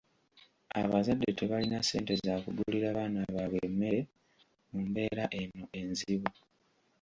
Abazadde tebalina ssente za kugulira baana baabwe mmere mu mbeera eno enzibu.